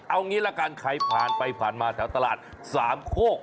เอางี้ละกันใครผ่านไปผ่านมาแถวตลาดสามโคก